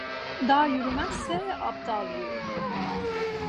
Dağ yürümezse abdal yürür.